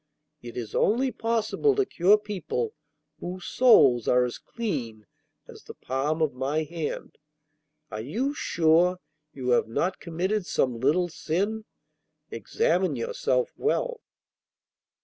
It is only possible to cure people whose souls are as clean as the palm of my hand. Are you sure you have not committed some little sin? Examine yourself well.